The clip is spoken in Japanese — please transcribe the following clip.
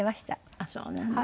ああそうなんですか。